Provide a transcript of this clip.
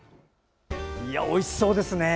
おいしそうですね！